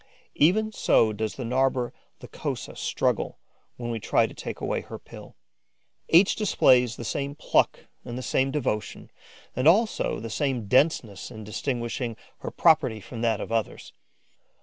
Even so does the Narbonne Lycosa struggle when we try to take away her pill. Each displays the same pluck and the same devotion; and also the same denseness in distinguishing her property from that of others.